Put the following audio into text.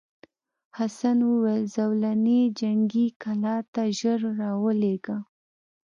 حسن وویل زولنې جنګي کلا ته ژر راولېږه.